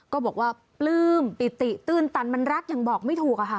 ก็บอกว่าปลื้มปิติตื้นตันมันรักยังบอกไม่ถูกอะค่ะ